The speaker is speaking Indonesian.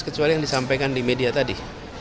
kecuali yang disampaikan di media tadi